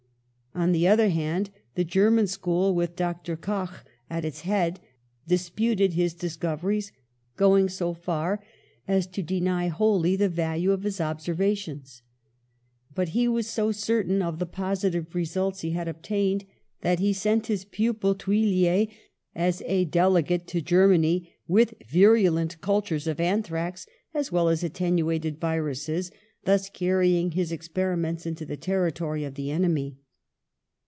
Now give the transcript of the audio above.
On the other hand, the German school, with Dr. Koch at its head, disputed his discov eries, going so far as to deny wholly the value of his observations. But he was so certain of the positive results he had obtained that he sent his pupil Thuillier as a delegate to Ger many, with virulent cultures of anthrax, as well as attenuated viruses, thus carrying his experi ments into the territory of the enemy.